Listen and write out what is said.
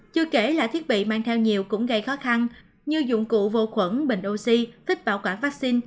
chưa kể là thiết bị mang theo nhiều cũng gây khó khăn như dụng cụ vô khuẩn bệnh oxy thích bảo quản vaccine